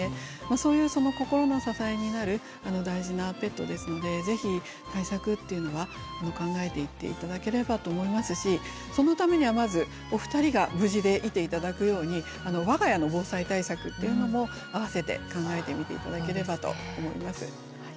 そういうその心の支えになる大事なペットですのでぜひ対策っていうのは考えていって頂ければと思いますしそのためにはまずお二人が無事でいて頂くように我が家の防災対策っていうのもあわせて考えてみて頂ければと思います。